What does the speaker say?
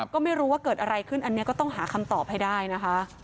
ก็ไม่รู้ว่าเกิดอะไรขึ้นอันนี้ก็ต้องหาคำตอบให้ได้นะคะ